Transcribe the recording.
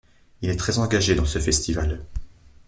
Il est très engagé dans ce Festival.